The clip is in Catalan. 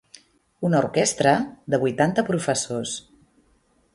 Una orquestra de vuitanta professors.